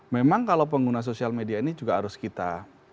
memang kalau pengguna sosial media ini juga harus kita